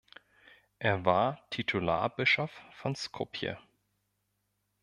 Er war Titularbischof von "Skopje".